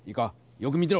よく見てろ！